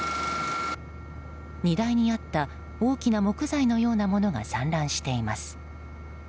荷台にあった大きな木材のようなものが散乱しています。